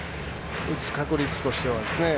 打つ確率としては。